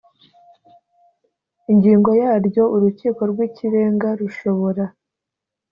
ingingo yaryo Urukiko rw Ikirenga rushobora